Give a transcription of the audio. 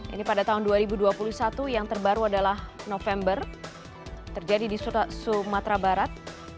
ini pada tahun dua ribu dua puluh satu yang terbaru adalah november terjadi di sumatera barat